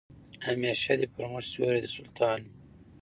همېشه دي پر موږ سیوری د سلطان وي